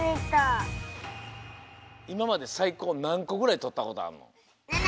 いままでさいこうなんこぐらいとったことあんの？